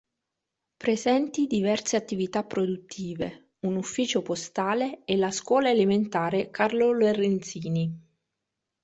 Presenti diverse attività produttive, un ufficio postale e la scuola elementare Carlo Lorenzini.